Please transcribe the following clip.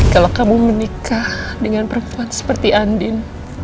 kalau kamu menikah dengan perempuan seperti andin